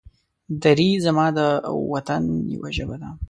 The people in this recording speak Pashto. دري زما د وطن يوه ژبه ده.